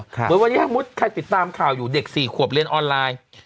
เหมือนวันนี้ถ้ามุติใครติดตามข่าวอยู่เด็ก๔ขวบเรียนออนไลน์